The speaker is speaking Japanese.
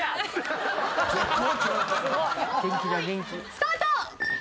スタート。